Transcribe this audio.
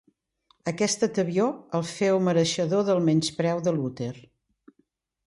Aquesta tebior el féu mereixedor del menyspreu de Luter.